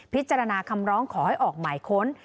พิจารณาคำร้องขอให้ออกหมายค้น